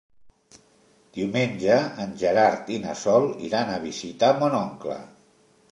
Diumenge en Gerard i na Sol iran a visitar mon oncle.